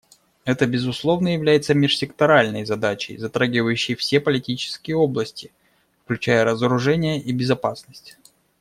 Это, безусловно, является межсекторальной задачей, затрагивающей все политические области, включая разоружение и безопасность.